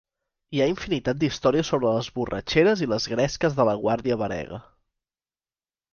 Hi ha infinitat d'històries sobre les borratxeres i les gresques de la guàrdia varega.